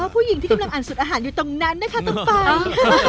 ผู้หญิงที่กำลังอ่านสุดอาหารอยู่ตรงนั้นนะคะต้องฟัง